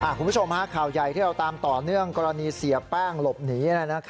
คุณผู้ชมข่าวใหญ่ที่เราตามต่อเนื่องกรณีเสียแป้งหลบหนี